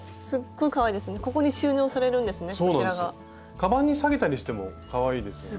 かばんにさげたりしてもかわいいですよね。